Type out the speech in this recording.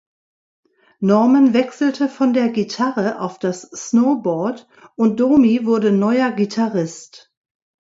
Norman wechselte von der Gitarre auf das Snowboard und Domi wurde neuer Gitarrist.